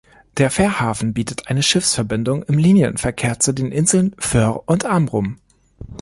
Der Fährhafen bietet eine Schiffsverbindung im Linienverkehr zu den Inseln Föhr und Amrum.